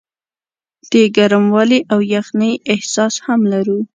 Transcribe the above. د ګرموالي او یخنۍ احساس هم لرو.